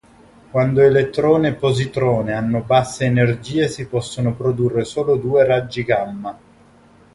Quando elettrone e positrone hanno basse energie si possono produrre solo due raggi gamma.